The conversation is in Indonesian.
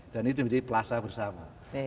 dan itu jadi plaza bersama